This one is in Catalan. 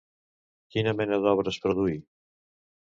Quina mena d'obres produí?